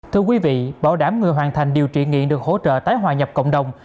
thưa quý vị bảo đảm người hoàn thành điều trị nghiện được hỗ trợ tái hòa nhập cộng đồng